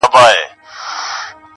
له ميوندوال څخه پرته